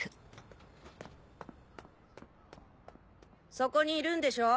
そこにいるんでしょ？